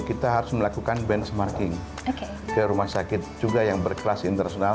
kita harus melakukan benchmarking ke rumah sakit juga yang berkelas internasional